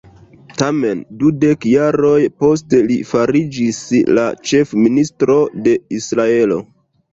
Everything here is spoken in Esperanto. Tamen, dudek jaroj poste li fariĝis la ĉef-ministro de Israelo.